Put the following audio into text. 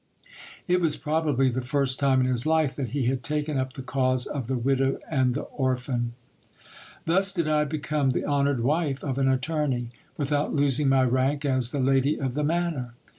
It was probably the first time in his life that he had taken up the cause of the widow and the orphan. Thus did I become the honoured wife of an attorney, without losing my rank es the lady of the manor.